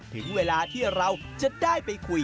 ถึงเวลาที่เราจะได้ไปคุย